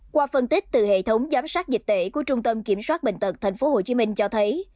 qua phân tích từ hệ thống giám sát dịch tễ của trung tâm kiểm soát bệnh tật tp hcm cho thấy